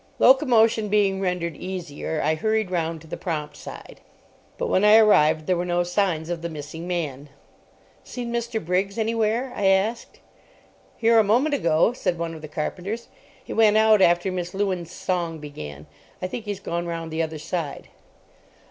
Locomotion being rendered easier, I hurried round to the prompt side. But when I arrived there were no signs of the missing man. "Seen Mr. Briggs anywhere?" I asked. "Here a moment ago," said one of the carpenters. "He went out after Miss Lewin's song began. I think he's gone round the other side."